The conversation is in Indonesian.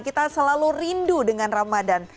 kita selalu rindu dengan ramadan